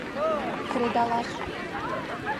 Кредалаш.